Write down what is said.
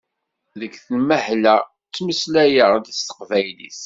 Deg tenmehla ttmeslayeɣ s teqbaylit.